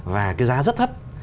và cái giá rất thấp